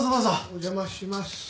お邪魔します。